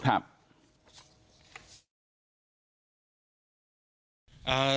ครับ